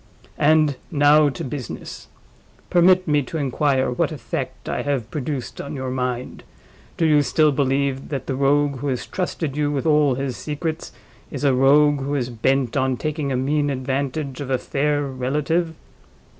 And now to business! Permit me to inquire what effect I have produced on your own mind? Do you still believe that the Rogue who has trusted you with all his secrets is a Rogue who is bent on taking a mean advantage of a fair relative?"